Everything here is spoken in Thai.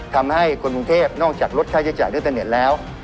ทำให้คุณกรุงเทพนอกจากลดค่าใช้จ่ายด้วยเน็ตแล้ว